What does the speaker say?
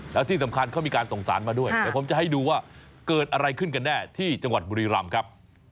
แล้วที่สำคัญเขามีการส่งสารมาด้วยเดี๋ยวผมจะให้ดูว่าเกิดอะไรขึ้นกันแน่ที่จังหวัดบุรีรำครับ